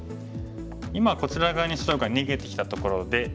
今こちら側に白が逃げてきたところで。